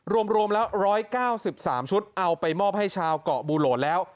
รวมแล้ว๑๙๓ชุดเอาไปมอบให้ชาวเกาะบูโหลดแล้ว